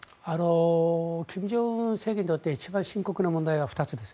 金正恩政権にとって一番深刻な問題は２つです。